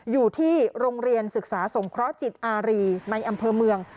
อยู่ที่โรงเรียนศึกษาสงเคราะห์จิตอารีในอำเภอเมือง